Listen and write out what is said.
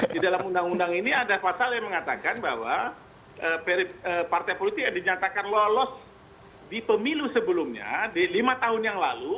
di dalam undang undang ini ada pasal yang mengatakan bahwa partai politik yang dinyatakan lolos di pemilu sebelumnya di lima tahun yang lalu